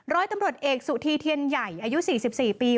ร้อยตำรวจเอกสุธีเทียนใหญ่อายุ๔๔ปี